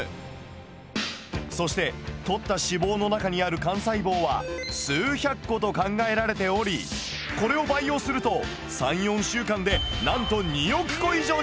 そしてとった脂肪の中にある幹細胞は数百個と考えられておりこれを培養すると３４週間でなんと２億個以上にすることも可能。